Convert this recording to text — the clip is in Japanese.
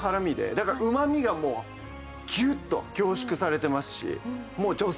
だからうまみがもうギュッと凝縮されてますし。